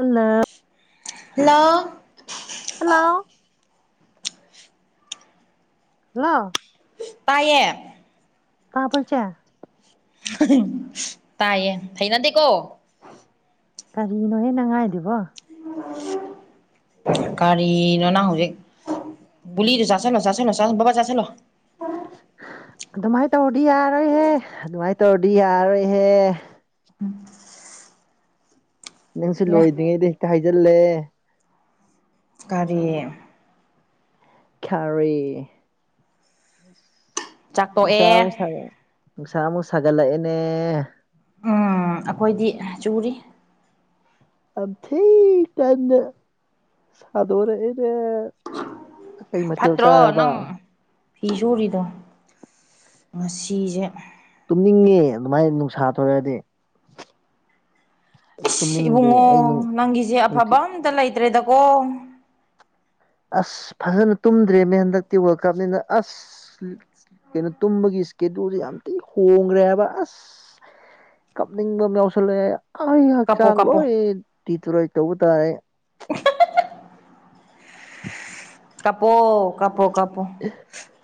ꯑ ꯂ ꯍꯜꯂꯣ ꯂ ꯇꯌꯦ ꯀꯥ ꯄꯨꯔ ꯆ ꯇꯥꯏꯌꯦ ꯊꯅꯗꯤꯦꯀꯣ ꯀꯔꯤꯅꯣ ꯍꯦ ꯅꯪꯉꯥꯏꯗꯨꯕꯣ ꯀꯔꯤꯅꯣ ꯅꯪ ꯍꯧꯖꯤꯛ ꯒꯨꯂꯤꯗꯣ ꯆꯥꯁꯤꯟꯅꯣ ꯆꯥꯁꯤꯟꯅꯣ [unintelligible] ꯑꯗꯨꯃꯥꯏꯅ ꯇꯧꯔꯗꯤ ꯌꯥꯔꯣꯏꯍꯦ ꯑꯗꯨꯃꯥꯏꯅ ꯇꯧꯔꯗꯤ ꯌꯥꯔꯣꯏꯍꯦ꯫ ꯎꯝ ꯅꯪꯁꯨ ꯂꯣꯏꯗ꯭ꯔꯤꯉꯩꯗ ꯍꯦꯛꯇ ꯍꯥꯏꯖꯤꯜꯂꯦ꯫ ꯀꯔꯤ ꯈꯥꯔꯤ ꯅꯨꯡꯁꯥ ꯑꯃꯨꯛ ꯁꯥ [unintelligible] ꯆꯥꯛꯇꯣꯛꯑꯦ ꯅꯨꯡꯁꯥ ꯑꯃꯨꯛ ꯁꯥꯒꯠꯂꯛꯑꯦꯅꯦ꯫ ꯎꯝ ꯑꯈꯣꯏꯗꯤ ꯆꯨꯔꯤ ꯑꯝ [unintelligible] ꯇꯅ ꯁꯗꯣꯛꯔꯛꯑꯦꯅꯦ ꯀꯩ ꯃꯊꯦꯜ ꯐꯠꯇ꯭ꯔꯣ ꯆꯥꯔꯕ ꯅꯪ ꯐꯤ ꯁꯣꯔꯤꯗꯣ ꯉꯁꯤꯁꯦ ꯇꯨꯝꯅꯤꯡꯉꯦ ꯑꯗꯨꯃꯥꯏꯅ ꯅꯨꯡꯁꯥ ꯊꯣꯛꯔꯗꯤ꯫ ꯏꯁꯁ ꯏꯕꯨꯡꯉꯣ ꯑꯩ ꯅꯪꯒꯤꯁꯦ ꯅꯨꯡꯊꯤ ꯑꯐꯕ ꯑꯝꯇ ꯂꯩꯇ꯭ꯔꯦꯗꯀꯣ꯫ ꯑꯁ ꯐꯖꯅ ꯇꯨꯝꯗ꯭ꯔꯦꯃꯦ ꯍꯟꯗꯛꯇꯤ ꯋꯥꯔꯜ ꯀꯞꯅꯤꯅ ꯑꯁ ꯀꯩꯅꯣ ꯇꯨꯝꯕꯒꯤ ꯏꯁꯀꯦꯗꯨꯜꯁꯦ ꯌꯥꯝ ꯊꯤ ꯍꯣꯡꯈ꯭ꯔꯦ ꯍꯥꯏꯕ ꯑꯁ ꯀꯞꯅꯤꯡꯕ ꯑꯃ ꯌꯥꯎꯁꯜꯂꯛꯑꯦ ꯑꯩ ꯀꯞꯄꯣ ꯍꯛꯆꯥꯡ ꯀꯞꯄꯣ ꯂꯣꯏ ꯇꯗꯤꯇꯨꯔꯣꯏ ꯇꯧꯕ ꯇꯥꯔꯦ꯫ ꯀꯥꯞꯄꯣ ꯀꯥꯞꯄꯣ ꯀꯥꯞꯄꯣ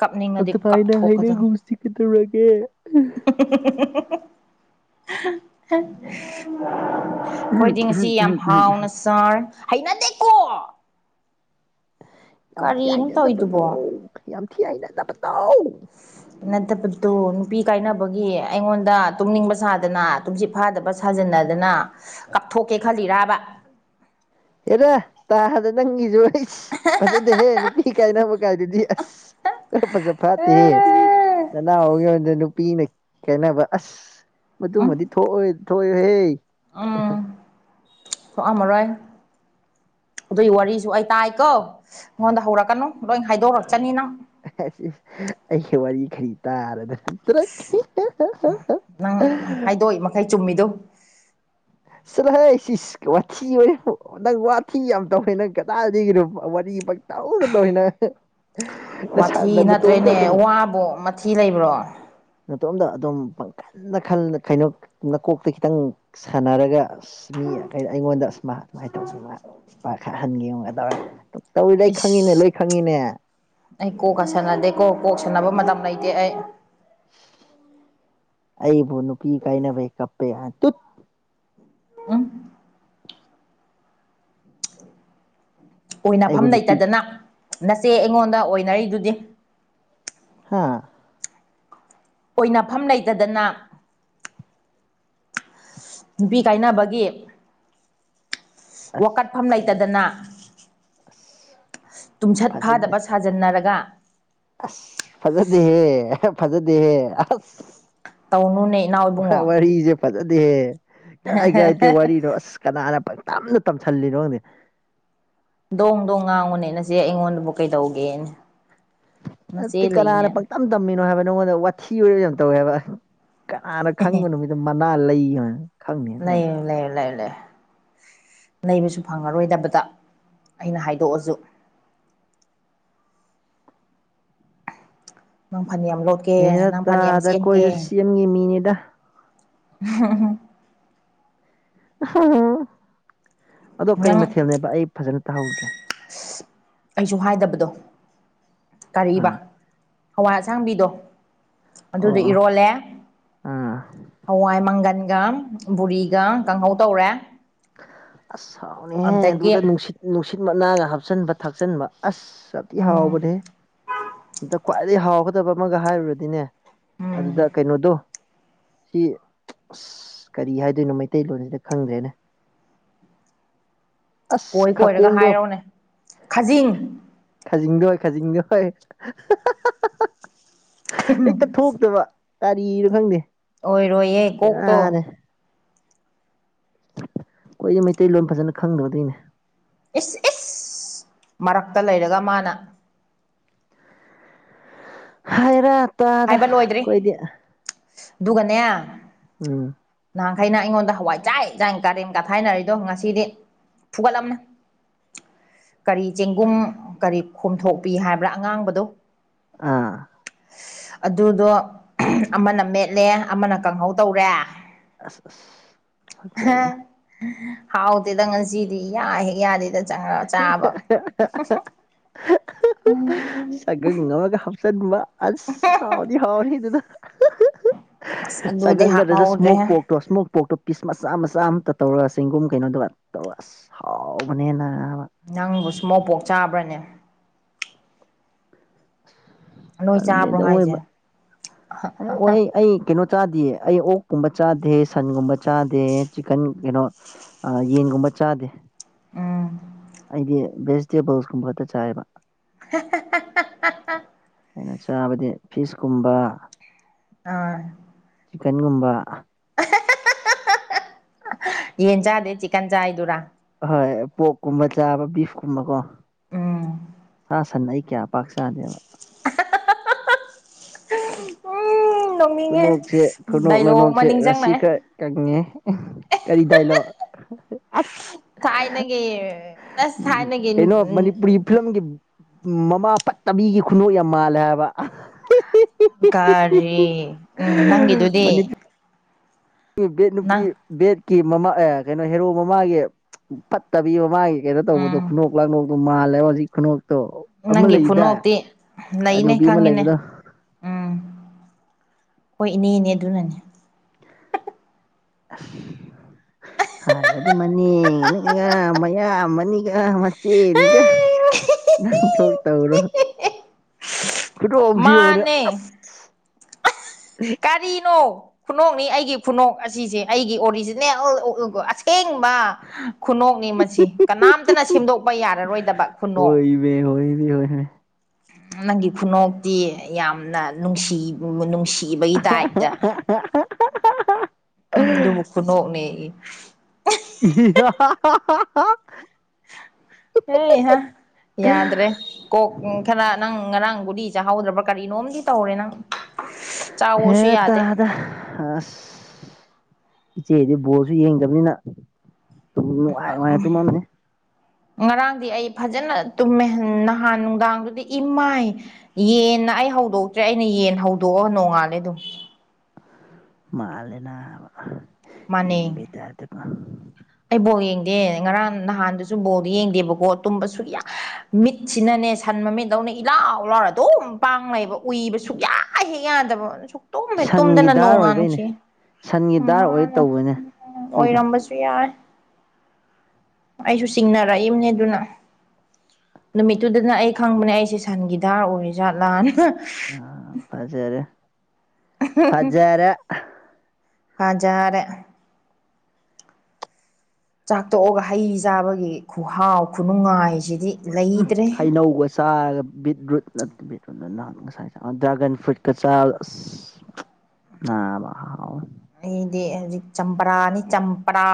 ꯀꯞꯅꯤꯡꯉꯗꯤ ꯀꯞꯊꯣꯛꯀꯗꯕꯅꯤ꯫ ꯀꯗꯨꯔꯒꯦ [unintelligible] ꯑꯈꯣꯏꯗꯤ ꯉꯁꯤ ꯌꯥꯝ ꯍꯥꯎꯅ ꯁꯥꯔ ꯍꯩꯅꯗꯦ [unintelligible] ꯌꯥꯝ ꯀꯔꯤꯅꯣ ꯊꯤꯥꯅ ꯇꯧꯔꯤꯗꯨꯕꯣ [unintelligible] ꯌꯥꯝ ꯊꯤꯅ ꯍꯩꯅꯗꯕꯗꯣ꯫ ꯅꯠꯇꯕꯗꯨ ꯅꯨꯄꯤ ꯀꯥꯏꯅꯕꯒꯤ ꯑꯩꯉꯣꯟꯗ ꯇꯨꯝꯅꯤꯡꯕ ꯁꯥꯗꯅ ꯇꯨꯝꯁꯤꯠ ꯐꯥꯗꯕ ꯁꯥꯖꯟꯅꯗꯅ ꯀꯥꯞꯊꯣꯛꯀꯦ ꯈꯜꯂꯤꯔꯥꯕ꯫ ꯍꯦꯔ ꯇꯥꯗ ꯅꯪꯒꯤꯁꯨ ꯑꯩ ꯐꯖꯗꯦꯍꯦ ꯅꯨꯄꯤ ꯀꯥꯏꯅꯕ ꯀꯥꯏꯗꯨꯗꯤ ꯑꯁ ꯈꯔ ꯐꯖꯐꯥꯠꯇꯦꯍꯦ ꯅꯅꯥꯎꯍꯒꯤꯉꯣꯟꯗ ꯅꯨꯄꯤꯅ ꯀꯥꯅꯕ ꯑꯁ ꯎꯝ ꯑꯗꯨꯃꯗꯤ ꯊꯣꯛ ꯊꯣꯛꯑꯣꯏ ꯍꯦ ꯎꯝ ꯄꯣꯛꯑꯝꯃꯔꯣꯏ꯫ ꯑꯗꯨꯒꯤ ꯋꯥꯔꯤꯁꯨ ꯑꯩ ꯇꯥꯏꯀꯣ ꯅꯉꯣꯟꯗ ꯍꯧꯔꯛꯀꯅꯨ ꯂꯣꯏ ꯍꯥꯏꯗꯣꯔꯛꯆꯅꯤ ꯅꯪ ꯑꯩꯒꯤ ꯋꯥꯔꯤ ꯈꯔꯤ ꯇꯥꯔꯗ [unintelligible] ꯅꯪ ꯍꯥꯏꯗꯣꯛꯏ ꯃꯈꯩ ꯆꯨꯝꯃꯤꯗꯨ ꯆꯂ ꯍꯦ ꯁꯤꯁ ꯋꯥꯊꯤ ꯋꯥꯔꯦꯝ꯫ ꯅꯪ ꯋꯥꯊꯤ ꯌꯥꯝ ꯇꯧꯋꯤ ꯅꯪ ꯀꯗꯥꯗꯒꯤꯒꯤꯅꯣ ꯋꯥꯔꯤ ꯄ ꯇꯧꯅ ꯇꯧꯋꯤ ꯅꯪ [unintelligible] ꯋꯥꯊꯤ ꯅꯇꯣꯝꯇ ꯅꯠꯇ꯭ꯔꯦꯅꯦ ꯑꯗꯨꯝ ꯋꯥꯕꯨꯣ ꯃꯊꯤ ꯂꯩꯕ꯭ꯔꯣ ꯃꯇꯇꯣꯝꯗ ꯑꯗꯨꯝ ꯄꯪꯈꯜꯗ ꯀꯩꯅꯣ ꯅꯀꯣꯛꯇ ꯈꯤꯇꯪ ꯁꯥꯟꯅꯔꯒ ꯑꯁ ꯃꯤ ꯀꯩꯅꯣ ꯑꯩꯉꯣꯟꯗ ꯑꯁ ꯃꯥ ꯑꯗꯨꯃꯥꯏꯅ ꯇꯧ ꯄꯥꯈꯠꯍꯟꯒꯦꯒꯗꯧꯔꯥ꯫ ꯇꯧꯏ ꯂꯩ ꯈꯪꯉꯤꯅꯦ ꯏꯁ ꯂꯩ ꯈꯪꯉꯤꯅꯦ ꯑꯩ ꯀꯣꯛꯀ ꯁꯥꯟꯅꯗꯦꯀꯣ ꯀꯣꯛ ꯁꯟꯅꯕ ꯃꯇꯝ ꯂꯩꯇꯦ ꯑꯩ꯫ ꯑꯩꯕꯨ ꯅꯨꯄꯤ ꯀꯥꯏꯅꯕꯩ ꯀꯞꯄꯦ ꯇꯨꯠ ꯎ [unintelligible] ꯑꯩꯕꯨ ꯑꯣꯏꯅꯐꯝ ꯅꯨꯄꯤ ꯂꯩꯇꯗꯅ ꯅꯆꯦ ꯑꯩꯉꯣꯟꯗ ꯑꯣꯏꯅꯔꯤꯗꯨꯗꯤ꯫ ꯍꯥꯥ ꯑꯣꯏꯅꯐꯝ ꯂꯩꯇꯗꯅ꯫ ꯅꯨꯄꯤ ꯀꯥꯏꯅꯕꯒꯤ ꯑꯁ ꯋꯥꯀꯠꯐꯝ ꯂꯩꯇꯗꯅ ꯑꯁ ꯇꯨꯝꯁꯠ ꯐꯖꯗꯦ ꯐꯥꯗꯕ ꯁꯥꯖꯟꯅꯔꯒ ꯑꯁ ꯐꯖꯗꯦꯍꯦ ꯐꯖꯗꯦꯍꯦ ꯑꯁ ꯇꯧꯅꯨꯅꯦ ꯏꯅꯥꯎ ꯏꯕꯨꯡꯉꯣ ꯋꯥꯔꯤꯁꯦ ꯐꯖꯗꯦ ꯍꯦ ꯀꯥꯏ ꯀꯥꯏ ꯋꯥꯔꯤ ꯅ ꯀꯅꯥꯅ ꯇꯝꯅ ꯇꯝꯁꯤꯜꯂꯤꯅꯣ ꯈꯪꯗꯤ ꯗꯣꯡꯗꯣ ꯉꯥꯡꯉꯨꯅꯦꯅꯆꯦ ꯑꯩꯉꯣꯟꯗꯕꯨ ꯀꯩꯗꯧꯒꯦꯅꯦ ꯅꯆꯦ ꯅꯠꯇ ꯀꯅꯥꯅ ꯂꯩꯅꯦ ꯄꯪꯇꯝ ꯇꯝꯃꯤꯅꯣ ꯍꯥꯏꯕ ꯅꯪꯉꯣꯟꯗ ꯋꯥꯊꯤ ꯑꯣꯏꯔ ꯌꯥꯝ ꯇꯧꯋꯦ ꯍꯥꯏꯕ ꯀꯅꯥꯅ ꯈꯪꯕ ꯅꯨꯃꯤꯠꯇ ꯃꯅꯥ ꯂꯩ ꯍꯥꯏ ꯂꯩ ꯂꯩ ꯂꯩ ꯂꯩ ꯅꯩꯕꯁꯨ ꯐꯪꯉꯔꯣꯏꯗꯕꯗ ꯑꯩꯅ ꯍꯥꯏꯗꯣꯛꯑꯁꯨ ꯅꯪ ꯐꯅꯦꯛ ꯌꯥꯝ ꯂꯣꯠꯀꯦ ꯍꯦꯔ ꯅꯪ ꯐꯅꯦꯛ ꯌꯥꯝ ꯇꯥꯗ ꯆ ꯆꯦꯟꯒꯦ ꯑꯩꯈꯣꯏꯁꯨ ꯁꯦꯝꯒꯤ ꯃꯤꯅꯤꯗ ꯎꯝꯝ ꯑꯗꯣ ꯀꯩ ꯅꯪ ꯃꯊꯦꯜꯅꯦꯕ ꯑꯩ ꯐꯖꯅ ꯇꯥꯍꯧꯗ꯭ꯔꯦ ꯑꯩꯁꯨ ꯍꯥꯏꯗꯕꯗꯣ ꯀꯕ ꯑꯥ ꯍꯋꯥꯏ ꯑꯁꯥꯡꯕꯤꯗꯣ ꯑꯣ ꯑꯗꯨꯗ ꯑꯣ ꯏꯔꯣꯜꯂꯦ ꯑꯥ ꯍꯋꯥꯏ ꯃꯪꯒꯟꯒ ꯕꯨꯔꯤꯒ ꯀꯥꯡꯍꯧ ꯇꯧꯔꯦ ꯑꯁ ꯁꯥꯎꯅꯦꯍꯦ ꯑꯗꯒꯤ ꯑꯗꯨꯗ ꯅꯨꯡꯁꯤꯠ ꯅꯨꯡꯁꯤꯠ ꯃꯅꯥꯒ ꯍꯥꯞꯆꯤꯟꯕ ꯊꯥꯛꯆꯤꯟꯕ ꯑꯁ ꯆꯥꯄꯤ ꯎꯝ ꯍꯥꯋꯥꯕꯅꯦ ꯑꯗ ꯈ꯭ꯋꯥꯏꯗꯒꯤ ꯍꯥꯎꯒꯗꯕ ꯑꯃꯒ ꯍꯥꯏꯔꯨꯔꯗꯤꯅꯦ ꯎꯝ ꯑꯗꯨꯗ ꯀꯩꯅꯣꯗꯣ ꯁꯤ ꯑꯁ ꯀꯔꯤ ꯍꯥꯏꯗꯣꯏꯅꯣ ꯃꯩꯇꯩꯂꯣꯟꯁꯤꯗ ꯈꯪꯗ꯭ꯔꯦꯅꯦ ꯎꯝ ꯀꯣꯏ ꯀꯣꯏꯔꯒ ꯍꯥꯏꯔꯣꯅꯦ ꯈꯖꯤꯡ ꯈꯥꯖꯤꯡꯗꯣꯏ ꯈꯥꯖꯤꯡꯗꯣꯏ ꯍꯦꯛꯇ ꯊꯣꯛꯇꯕ ꯀꯥꯔꯤꯅꯣ ꯈꯪꯗꯦ ꯑꯣꯏꯔꯣꯏꯌꯦ ꯀꯣꯛꯇꯣ ꯕꯦꯔꯥꯅꯦ ꯑꯩꯈꯣꯏꯗꯤ ꯃꯩꯇꯩꯂꯣꯟ ꯐꯖꯅ ꯈꯪꯗꯕꯗꯒꯤꯅꯦ ꯏꯁ ꯏꯁ ꯃꯔꯛꯇ ꯂꯩꯔꯒ ꯃꯥꯅ ꯍꯥꯏꯔꯠ ꯍꯥꯏꯕ ꯂꯣꯏꯗ꯭ꯔꯤ ꯑꯗꯨꯒꯅꯦ ꯎꯝ ꯅꯍꯥꯟꯈꯩꯅ ꯑꯩꯉꯣꯟꯗ ꯍꯋꯥꯏ ꯆꯥꯏ ꯏꯥꯏ ꯀꯥꯔꯦꯟ ꯀꯥ ꯊꯥꯏꯅꯔꯤꯗꯣ ꯉꯁꯤꯗꯤ ꯐꯨꯒꯅ ꯀꯔꯤ ꯆꯦꯡꯒꯨꯝ ꯀꯔꯤ ꯈꯣꯝꯊꯣꯛꯄꯤ ꯍꯥꯏꯕ꯭ꯔꯥ ꯑꯉꯥꯡꯕꯗꯣ ꯑꯥ ꯑꯗꯨꯗꯣ ꯑꯃꯅ ꯃꯦꯠꯂꯦ ꯑꯃꯅ ꯀꯥꯡꯪꯍꯧ ꯇꯧꯔꯦ ꯑꯁ ꯑ ꯍꯆꯅꯦ ꯍꯥꯎꯗꯦꯗ ꯉꯁꯤꯗꯤ ꯌꯥꯍꯦꯛ ꯌꯥꯗꯦꯗ ꯆꯪꯉ ꯆꯥꯕ ꯆ ꯃꯥ ꯑ ꯍꯥꯎꯅꯤ ꯍꯥꯎꯅꯤ ꯑꯗꯨꯗ ꯑꯁ ꯑꯗꯨꯗꯤ ꯁꯒꯪ ꯅꯠꯇ꯭ꯔꯁꯨ ꯏꯁꯃꯣꯛ ꯍꯥꯞꯍꯧꯗ꯭ꯔꯦꯍꯦ ꯄꯣꯛꯇꯣ ꯏꯁꯃꯣꯛ ꯄꯣꯛꯇꯣ ꯄꯤꯁ ꯃꯆꯥ ꯃꯆꯥ ꯑꯃꯇ ꯇꯧꯔꯒ ꯆꯦꯡꯒꯨꯝ ꯀꯩꯅꯣꯗ ꯇꯧꯔꯒ ꯑꯁ ꯍꯥꯎꯕꯅꯦꯅ ꯅꯪꯕꯨ ꯁ ꯃꯧꯄꯣꯛ ꯆꯥꯕ꯭ꯔꯅꯦ ꯅꯣꯏ ꯆꯥꯕ꯭ꯔꯣ ꯇꯂꯦꯗ ꯍꯥꯏꯁꯦ ꯑꯣꯏꯕ ꯑ ꯑꯣꯏ ꯑꯩ ꯀꯩꯅꯣ ꯆꯥꯗꯦꯌꯦ ꯑꯩ ꯑꯣꯛꯀꯨꯝꯕ ꯆꯥꯗꯦ ꯁꯟꯒꯨꯝꯕ ꯆꯥꯗꯦ ꯆꯤꯛꯀꯟ ꯀꯩꯅꯣ ꯑ ꯌꯦꯟꯒꯨꯝꯕ ꯆꯥꯗꯦ ꯎꯝ ꯑꯩꯗꯤ ꯚꯦꯖꯤꯇꯦꯕꯜꯁꯀꯨꯝꯕꯇ ꯆꯥꯏꯌꯦꯕ [unintelligible] ꯑꯗꯨꯩꯅ ꯆꯥꯕꯗꯤ ꯐꯤꯁꯀꯨꯝꯕ ꯑꯥ ꯆꯤꯛꯀꯟꯒꯨꯝꯕ ꯌꯦꯟ ꯆꯥꯗꯦ ꯆꯤꯛꯀꯟ ꯆꯥꯏꯗꯨꯔꯥ ꯍꯣꯏ ꯄꯣꯛꯀꯨꯝꯕ ꯆꯥꯕ ꯕꯤꯐꯀꯨꯝꯕꯀꯣ ꯎꯝ ꯁꯥ ꯁꯟꯅ ꯑꯩ ꯀꯌꯥ ꯄꯥꯛ ꯆꯥꯗꯦꯕ ꯎꯝ ꯂꯧꯣꯡꯃꯤꯉꯦ ꯈꯨꯅꯣꯛꯁꯦ ꯈꯨꯅꯣꯛ ꯗꯥꯏꯂꯣ ꯂꯅꯣꯛꯁꯦ ꯃꯅꯤꯡ ꯔꯁꯤ ꯆꯪꯅ ꯈꯔ ꯀꯪꯉꯦ ꯀꯔꯤꯗꯥꯏꯂꯣ ꯑ ꯊꯥꯏꯅꯒꯤ ꯑꯁ ꯊꯥꯏꯅꯒꯤ ꯀꯩꯅꯣ ꯃꯅꯤꯄꯨꯔꯤ ꯐꯤꯂꯝꯒꯤ ꯃꯃꯥ ꯐꯠꯇꯕꯤꯒꯤ ꯈꯨꯅꯨ ꯌꯥꯝ ꯃꯥꯜꯂꯦ ꯍꯥꯏꯕ ꯔꯤ ꯃꯅꯤ ꯕꯦꯠ ꯅꯨꯄꯤ ꯅꯪ ꯕꯦꯠꯀꯤ ꯃꯃꯥ ꯀꯩꯅꯣ ꯍꯦꯔꯣ ꯃꯃꯥꯒꯤ ꯐꯠꯇꯕꯤ ꯃꯃꯥꯒꯤ ꯀꯦꯗ ꯇꯧꯕꯗꯣ ꯎꯝ ꯈꯨꯅꯣꯛ ꯂꯥꯡꯅꯣꯛꯇꯣ ꯃꯥꯜꯂꯦꯕ ꯍꯧꯖꯤꯛ ꯈꯨꯅꯨꯡꯣꯛꯇꯣ ꯑꯃ ꯅꯪꯒꯤ ꯂꯩꯗ ꯈꯨꯅꯣꯛꯇꯤ ꯂꯩꯅꯦ ꯅꯨꯄꯤ ꯑꯃ ꯈꯪꯉꯤꯅꯦ ꯂꯩꯕꯗꯣ ꯎꯝ ꯍꯣꯏ ꯏꯅꯦ ꯏꯅꯦ ꯑꯗꯨꯅꯅꯦ [unintelligible] ꯍꯥꯏꯕꯗꯤ ꯃꯅꯦꯅꯤꯒ ꯃꯌꯥꯝꯕꯅꯤꯒ ꯃꯆꯦꯅꯤꯒ ꯅ ꯊꯣꯛ ꯇꯅ ꯀ ꯑꯣꯞꯖꯤ ꯃꯅꯦ ꯃꯥꯅꯦ ꯀꯔꯤꯅꯣ ꯈꯨꯅꯣꯛꯅꯤ ꯑꯩꯒꯤ ꯐ ꯈꯨꯅꯣꯛ ꯑꯁꯤꯁꯦ ꯑꯩꯒꯤ ꯑꯣꯔꯤꯖꯤꯅꯦꯜ ꯑꯁꯦꯡꯕ ꯈꯨꯅꯣꯛ ꯃꯁꯤ ꯀꯅꯥꯝꯇꯅ ꯁꯦꯝꯗꯣꯛꯄ ꯌꯥꯔꯔꯣꯏꯗꯕ ꯈꯨꯅꯣꯛ ꯍꯣꯏꯃꯦ ꯍꯣꯏꯃꯦ ꯍꯣꯏꯃꯦ ꯅꯪꯒꯤ ꯈꯨꯅꯣꯛꯇꯤ ꯌꯥꯝꯅ ꯅꯨꯡꯁꯤ ꯅꯨꯡꯁꯤꯕꯒꯤ ꯗꯥꯏꯗ ꯎꯝ ꯑꯗꯨꯕꯨ ꯈꯨꯅꯣꯛꯅꯦ ꯏ ꯍ ꯍꯥ ꯌꯥꯗ꯭ꯔꯦ ꯀꯣꯛ ꯈꯔ ꯅꯪ ꯉꯔꯥꯡꯕꯨꯗꯤ ꯆꯥꯍꯧꯗ꯭ꯔꯕ꯭ꯔꯥ ꯀꯔꯤꯅꯣꯝꯗꯤ ꯇꯧꯔꯦ ꯅꯪ ꯍꯦ ꯆꯥꯋꯣꯁꯨ ꯌꯥꯗꯦ ꯇꯗ ꯑ ꯏꯆꯦꯗꯤ ꯕꯣꯔꯁꯨ ꯌꯦꯡꯗꯕꯅꯤꯅ ꯑꯗꯨꯝ ꯑ ꯅꯨꯡꯉꯥꯏ ꯅꯨꯡꯉꯥꯏꯅ ꯇꯨꯝꯃꯝꯅꯤ ꯉꯔꯥꯡꯗꯤ ꯑꯩ ꯐꯖꯅ ꯇꯨꯝꯃꯦ ꯅꯍꯥꯟ ꯅꯨꯡꯗꯥꯡꯗꯨꯗꯤ ꯏꯃꯥꯏ ꯌꯦꯟꯅ ꯑꯩ ꯍꯧꯗꯣꯛꯇ꯭ꯔꯦ ꯑꯩꯅ ꯌꯦꯟ ꯍꯧꯗꯣꯛꯑꯒ ꯅꯣꯡꯉꯥꯜꯂꯦ ꯑꯗꯨꯝ ꯃꯥꯜꯂꯦꯅ ꯃꯥꯟꯅꯩ ꯌꯦꯡꯕꯩꯇꯥꯥꯔꯗꯀꯣ ꯑꯩ ꯕꯣꯜ ꯌꯦꯡꯗꯦ ꯉꯔꯥꯡ ꯅꯍꯥꯟꯗꯁꯨ ꯕꯣꯜꯗ ꯌꯦꯡꯗꯦꯕꯀꯣ ꯇꯨꯝꯕ ꯁꯨꯌꯥ ꯃꯤꯠꯁꯤꯅꯅꯦ ꯁꯟ ꯃꯃꯤꯠꯗꯧꯅ ꯏꯂꯥꯎ ꯂꯥꯎꯔ ꯑꯗꯨꯝ ꯄꯥꯡꯅꯩꯑꯕ ꯎꯏꯕ ꯁꯨꯛꯌꯥ ꯍ ꯍꯦꯛ ꯌꯥꯗꯕ ꯁ ꯇꯨꯝꯃꯦ ꯁꯟꯒꯤ ꯇꯨꯝꯗꯅ ꯗꯥꯔ ꯑꯣꯏꯕꯩꯅꯦ ꯅꯣꯡꯉꯥꯟꯈꯤ ꯁꯟꯒꯤ ꯗꯥꯔ ꯑꯣꯏ ꯃꯥꯅ ꯇꯧꯕꯅꯦ ꯑꯩꯈꯣꯏꯗꯣ ꯑꯣꯏꯔꯝꯕꯁꯨ ꯌꯥ ꯑꯩꯁꯨ ꯆꯤꯡꯅꯔꯛꯏꯕꯅꯦ ꯑꯗꯨꯅ ꯅꯨꯃꯤꯠꯇꯨꯗꯅ ꯑꯩ ꯈꯪꯕꯅꯦ ꯑꯩꯁꯦ ꯁꯟꯒꯤꯗꯥꯔ ꯑꯣꯏꯔꯤ ꯖꯥꯠꯂꯥꯅ ꯑ ꯄꯖꯔ ꯄꯖꯔ ꯍꯥꯖꯥꯔꯦ ꯆꯥꯛꯇꯣꯛꯑꯒ ꯍꯩ ꯆꯥꯕꯒꯤ ꯈꯨꯍꯥꯎ ꯈꯨꯅꯨꯡꯉꯥꯏꯁꯤꯗꯤ ꯎꯝ ꯂꯩꯇ꯭ꯔꯦ ꯍꯩꯅꯧꯒꯁꯦ ꯆꯥ ꯠ ꯔꯨ ꯅ ꯠ ꯔꯨꯠꯅ ꯅꯍꯥꯟꯜ ꯁꯥꯥꯏ ꯗ꯭ꯔꯥꯒꯟ ꯐ꯭ꯔꯨꯠꯀ ꯆꯥ ꯑ ꯑꯩꯗꯤ ꯍꯧꯖꯤꯛ ꯆꯝꯄꯔꯥꯅꯤ ꯆꯝꯄꯔꯥ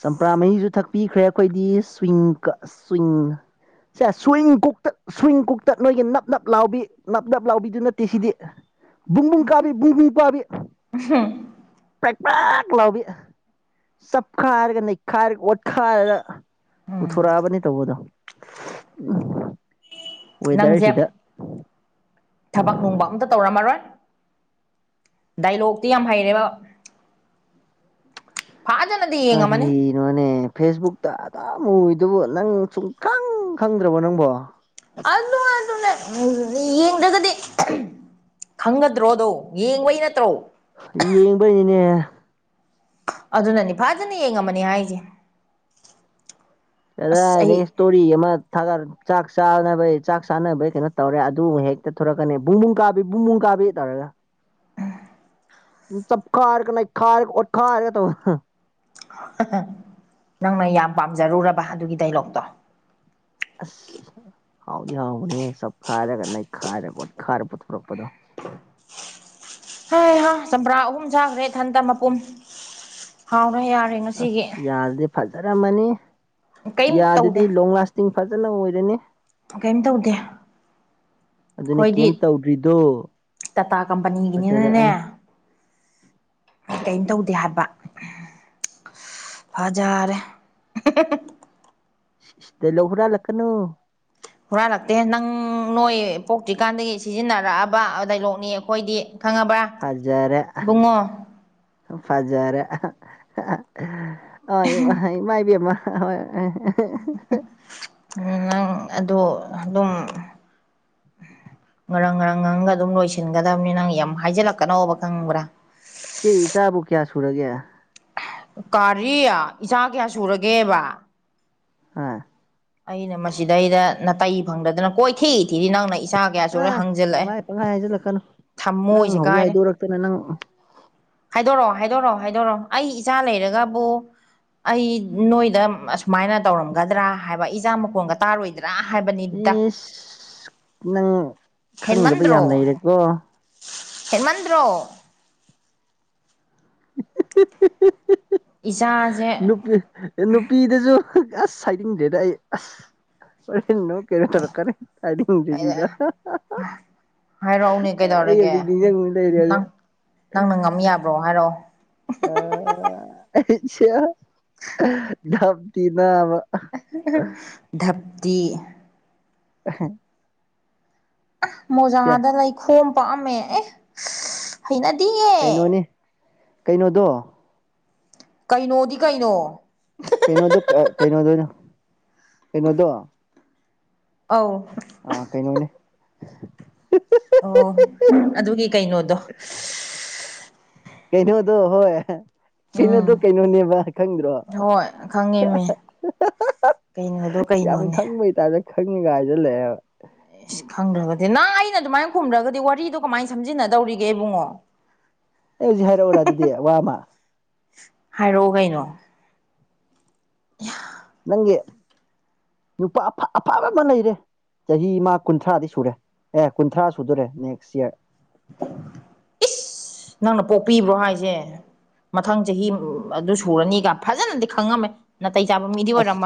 ꯆꯝꯄ꯭ꯔꯥ ꯃꯍꯤꯁꯨ ꯊꯛꯄꯤꯈ꯭ꯔꯦ ꯑꯩꯈꯣꯏꯗꯤ ꯁ꯭ꯋꯤꯡ ꯀ ꯁ꯭ꯋꯤꯡ ꯆ ꯁ꯭ꯋꯤꯡ ꯀꯨꯛ ꯁ꯭ꯋꯤꯡ ꯀꯨꯛꯇ ꯅꯣꯏꯒꯤ ꯅꯞ ꯅꯞ ꯂꯥꯎꯕꯤ ꯅꯞ ꯅꯞ ꯂꯥꯎꯕꯤꯗꯨ ꯅꯠꯇꯦ ꯁꯤꯗꯤ ꯨꯡꯕꯨꯡ ꯀꯥꯕꯤ ꯨꯡꯕꯨꯡ ꯄꯥꯕꯤ ꯄꯦꯛ ꯄꯛ ꯂꯥꯎꯕꯤ ꯆꯞꯈꯥꯏꯔꯒ ꯅꯩꯈꯥꯏꯔꯒ ꯑꯣꯠꯈꯥꯏꯔꯒ ꯎꯝ ꯄꯨꯊꯣꯔꯛꯑꯕꯅꯤ ꯇꯧꯕꯗꯣ ꯎꯝ ꯅꯪꯁꯦ ꯋꯦꯗꯔꯁꯤꯗ ꯊꯕꯛ ꯅꯨꯡꯕꯥꯛ ꯑꯝꯇ ꯇꯧꯔꯝꯃꯔꯣꯏ ꯗꯥꯏꯂꯣꯛꯇꯤ ꯌꯥꯝ ꯍꯩꯔꯦꯕ ꯐꯖꯅꯗꯤ ꯀꯔꯤ ꯌꯦꯡꯉꯝꯃꯅꯤ ꯀꯩꯅꯣꯅꯦ ꯐꯦꯁꯕꯨꯛꯇ ꯑꯗꯨꯝ ꯎꯏꯗꯨꯕꯨ ꯅꯪ ꯁꯨꯡꯈꯪ ꯈꯪꯗ꯭ꯔꯕꯣ ꯅꯪꯕꯣ ꯑꯗꯨꯅꯦ ꯑꯗꯨꯅꯦ ꯌꯦꯡꯗ꯭ꯔꯒꯗꯤ ꯈꯪꯒꯗ꯭ꯔꯣꯗꯣ ꯌꯦꯡꯕꯩ ꯅꯠꯇ꯭ꯔꯣ ꯌꯦꯡꯕꯩꯅꯤꯅꯦ ꯑꯗꯨꯅꯅꯤ ꯐꯥꯖꯅ ꯌꯦꯡꯉꯝꯃꯅꯤ ꯍꯥꯏꯁꯦ ꯑꯁ ꯀꯗꯥꯏꯗꯒꯤ ꯑꯩ ꯏꯁ-ꯇꫭꯔꯤ ꯑꯃ ꯊꯥꯒꯠ ꯆꯥꯛ ꯆꯥꯅꯕꯩ ꯆꯥꯛ ꯆꯥꯅꯕꯩ ꯀꯩꯅꯣ ꯇꯧꯔꯦ ꯑꯗꯨ ꯍꯦꯛꯇ ꯊꯣꯔꯛꯀꯅꯤ ꯕꯨꯡꯕꯨꯡ ꯀꯥꯕꯤ ꯕꯨꯡꯕꯨꯡ ꯀꯥꯕꯤ ꯇꯧꯔꯒ ꯆꯞꯈꯥꯏꯔꯒ ꯅꯩꯈꯥꯏꯔꯒ ꯑꯣꯠꯈꯥꯔꯒ ꯇꯧꯕ ꯅꯪꯅ ꯌꯥꯝ ꯄꯥꯝꯖꯔꯨꯔꯕ ꯑꯗꯨꯒꯤ ꯗꯥꯏꯂꯣꯛꯇꯣ ꯑꯁ ꯍꯥꯎꯗꯤ ꯍꯥꯎꯕꯅꯦ ꯆꯞꯈꯥꯏꯔꯒ ꯅꯩꯈꯥꯏꯔꯒ ꯑꫭꯠꯈꯥꯏꯔꯒ ꯄꯨꯊꯣꯔꯛꯄꯗꯣ ꯍꯤ ꯍꯥ ꯆꯝꯄ꯭ꯔꯥ ꯑꯍꯨꯝ ꯁꯥꯈ꯭ꯔꯦ ꯏꯊꯟꯇ ꯃꯄꯨꯝ ꯍꯥꯎꯔꯦ ꯌꯥꯔꯦ ꯑꯁ ꯉꯁꯤꯒꯤ ꯌꯥꯗꯨꯗꯤ ꯐꯖꯔꯝꯃꯅꯤ ꯀꯩꯝ ꯌꯥꯗꯨꯗꯤ ꯇꯧꯗꯦ ꯂꯣꯡ ꯂꯥꯁ ꯇꯤꯡ ꯐꯖꯅ ꯑꯣꯏꯔꯅꯤ ꯀꯩꯝ ꯇꯧꯗꯦ ꯑꯗꯨꯅ ꯑꯩꯈꯣꯏꯗꯤ ꯀꯩꯝ ꯇꯧꯗ꯭ꯔꯤꯗꯣ ꯇꯥꯇꯥ ꯀꯝꯄꯅꯤꯒꯤꯅꯤꯅꯅꯦ ꯐꯖꯔꯛꯑꯅꯤ ꯀꯩꯝ ꯇꯧꯗꯦ ꯍꯥꯏꯕ ꯐꯖꯔꯦ ꯏꯁꯦꯇꯦꯂꯣ ꯍꯨꯔꯥꯜ ꯂꯥꯡ ꯀꯥꯅꯨ ꯍꯨꯔꯥꯜꯂꯛꯇꯦ ꯅꯪ ꯅꯣꯏ ꯄꯣꯛꯇ꯭ꯔꯤꯀꯥꯟꯗꯒꯤ ꯁꯤꯖꯤꯟꯅꯔꯛꯑꯕ ꯗꯥꯏꯂꯣꯛꯅꯤ ꯑꯩꯈꯣꯏꯗꯤ ꯈꯪꯉꯕ꯭ꯔꯥ ꯐꯖꯥꯔꯦ ꯏꯕꯨꯡꯉꯣ ꯐꯖꯥꯔꯦ ꯑꫭ ꯏꯃꯥ ꯏꯃꯥ ꯏꯤꯕꯦꯝꯃꯥ ꯍꯣꯏ ꯅꯪ ꯑꯗꯨ ꯑꯗꯨꯝ ꯉꯔꯥꯡ ꯉꯔꯥꯡ ꯉꯔꯪꯒ ꯑꯗꯨꯝ ꯂꯣꯏꯁꯤꯟꯒꯗꯕꯅꯤ ꯅꯪ ꯌꯥꯝ ꯍꯥꯏꯖꯤꯜꯂꯛꯀꯅꯣꯕ ꯈꯪꯕ꯭ꯔꯥ ꯏꯆꯦꯒꯤ ꯏꯆꯥꯕꯨ ꯀꯌꯥ ꯁꯨꯔꯒꯦ ꯀꯔꯤ ꯏꯆꯥ ꯀꯌꯥ ꯁꯨꯔꯒꯦꯕ ꯍꫭꯏ ꯑꯩꯅ ꯃꯁꯤꯗꯩꯗ ꯅꯇꯩ ꯐꯪꯗꯗꯅ ꯀꯣꯏꯊꯤꯏ ꯊꯤꯔꯤ ꯅꯪꯅ ꯏꯆꯥ ꯀꯌꯥ ꯁꯨꯔꯦ ꯑꯥ ꯍꯪꯖꯤꯜꯂꯛꯑꯦ ꯑꯗꯨꯃꯥꯏ ꯄꯪꯍꯥꯏ ꯍꯥꯏꯖꯤꯜꯂꯛꯀꯅꯨ ꯅꯪ ꯊꯝꯃꯣꯏꯁꯦ ꯍꯧꯖꯤꯛ ꯀꯥꯏꯔꯦ ꯍꯥꯏꯗꯣꯔꯛꯇꯅ ꯅꯪ ꯍꯥꯏꯗꯣꯔꯛꯑꯣ ꯍꯥꯏꯗꯣꯔꯛꯑꯣ ꯍꯥꯏꯗꯣꯔꯛꯑꯣ ꯑꯩ ꯏꯆꯥ ꯂꯩꯔꯒꯕꯨ ꯑꯩ ꯅꯣꯏꯗ ꯑꯁꯨꯃꯥꯏꯅ ꯇꯧꯔꯝꯒꯗ꯭ꯔꯥ ꯍꯥꯏꯕ ꯏꯆꯥ ꯃꯈꯣꯟꯒ ꯇꯥꯔꯣꯏꯗ꯭ꯔꯥ ꯗꯥ ꯍꯥꯏꯕꯅꯤ ꯗꯥ ꯏꯁ ꯅꯪ ꯈꯪꯗꯕ ꯍꯦꯟꯃꯟꯗ꯭ꯔꯣ ꯌꯥꯝ ꯂꯩꯔꯦꯀꯣ ꯍꯦꯟꯃꯟꯗ꯭ꯔꯣ ꯏꯆꯥꯁꯦ ꯅꯨꯄꯤ ꯅꯨꯄꯤꯗꯨꯁꯨ ꯑꯁ ꯍꯥꯏꯅꯤꯡꯗꯦꯗ ꯑꯩ ꯑꯁ ꯍꯣꯔꯦꯟ [unintelligible] ꯀꯩꯅꯣ ꯇꯧꯔꯀꯔꯦ ꯍꯥꯏꯅꯤꯡꯗꯔꯤꯗꯥ ꯍꯥꯏꯔꯛꯑꯣꯅꯦ ꯀꯩꯗꯧꯔꯒꯦꯝ ꯎꯝ ꯅꯤꯡꯖꯪ ꯂꯩꯔꯦ ꯅꯪ ꯅꯪꯅ ꯉꯝ ꯌꯥꯕ꯭ꯔꯣ ꯍꯥꯏꯔꯛꯑꯣ ꯑꯥ ꯑꯩꯁꯤꯌꯥ ꯙꯞꯇꯤ ꯅꯥꯕ ꯙꯞꯇꯤ [unintelligible] ꯁꯦ ꯃꯣꯖꯥꯗ ꯂꯩꯈꯣꯝ ꯄꯥꯝꯑꯃꯦ ꯑꯦ ꯍꯩꯅꯗꯤꯌꯦ ꯀꯩꯅꯣꯅꯤ ꯀꯩꯅꯣꯗꯣ ꯀꯩꯅꯣꯗꯤ ꯀꯩꯅꯣ ꯀꯩꯅꯣꯗꯣ ꯀꯩꯅꯣꯗꫭ ꯑꫭꯏꯅ ꯀꯩꯅꯣꯗꯣ ꯑꯥꯎ ꯑ ꯀꯩꯅꯣꯅꯦ ꯑꯣ ꯑꯗꯨꯒꯤ ꯀꯩꯅꯣꯗꯣ ꯀꯩꯩꯅꫭꯗꫭ ꯍꯣꯏ ꯎꯝ ꯀꯩꯅꯣꯗꯣ ꯀꯩꯅꯣꯅꯦꯕ ꯈꯪꯗ꯭ꯔꯣ ꯍꯣꯏ ꯈꯪꯉꯦꯃꯤ ꯀꯩꯅꯣꯗꯣ ꯀꯩꯅꯣ ꯈꯪꯕꯩꯇꯥꯔꯦ ꯈꯪꯉꯦꯒꯥꯏꯁ ꯂꯩꯑꯦꯕ ꯏꯁ ꯈꯪꯗ꯭ꯔꯒꯗꯤ ꯅꯍ ꯑꯩꯅ ꯑꯗꯨꯃꯥꯏꯅ ꯈꯨꯝꯗ꯭ꯔꯒꯗꯤ ꯋꯥꯔꯤꯗꯣ ꯀꯃꯥꯏꯅ ꯁꯝꯖꯤꯟꯅꯗꯧꯔꯤꯒꯦ ꯏꯕꯨꯡꯉꯣ ꯑꯩ ꯍꯧꯖꯤꯛ ꯍꯥꯏꯔꯛꯎꯔꯥ ꯑꯗꯨꯗꯤ ꯋꯥꯃ ꯍꯥꯏꯔꯛꯑꯣ ꯀꯩꯅꯣ ꯌꯥ ꯅꯪꯒꯤ ꯅꯨꯄꯥ ꯑꯐꯕ ꯑꯃ ꯂꯩꯔꯦ ꯆꯍꯤꯃ ꯀꯨꯟꯊ꯭ꯔꯥꯗꯤ ꯁꯨꯔꯦ ꯑꯦ ꯀꯨꯟꯊ꯭ꯔꯥ ꯁꯨꯗꯣꯔꯦ ꯅꯦꯛꯁ ꯌꯔ ꯏꯁ ꯅꯪꯅ ꯄꯣꯛꯄꯤꯕ꯭ꯔꯣ ꯍꯥꯏꯁꯦ ꯃꯊꯪ ꯆꯍꯤ ꯑꯗꯨ ꯁꯨꯔꯅꯤꯒ ꯐꯖꯅꯗꯤ ꯈꯪꯉꯝꯃꯦ ꯅꯥꯇꯩ ꯆꯥꯕ ꯃꯤꯗꯤ ꯑꯁ ꯑꯣꯏꯔꯝꯃꯔꯣꯏ